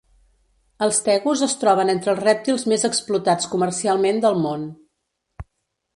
Els tegus es troben entre els rèptils més explotats comercialment del món.